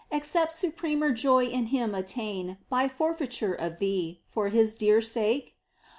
Except supremer joy in Him attain By forfeiture of thee for His dear sake